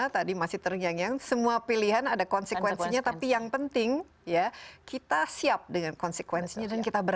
tadi masih terngiang ngiang semua pilihan ada konsekuensinya tapi yang penting ya kita siap dengan konsekuensinya dan kita